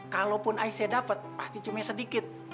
kalaupun aisyah dapat pasti cuma sedikit